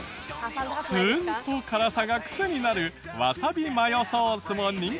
ツーンと辛さがクセになるわさびマヨソースも人気。